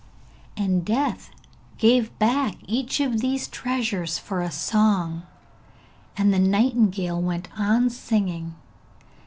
And Death gave back each of these treasures for a song, and the nightingale went on singing.